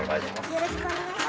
よろしくお願いします。